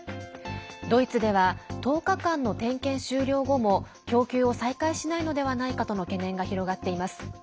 ドイツでは１０日間の点検終了後も供給を再開しないのではないかとの懸念が広がっています。